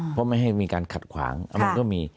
เพราะไม่ให้มีการขัดขวางมันก็มี